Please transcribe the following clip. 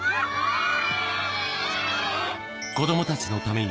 子供たちのために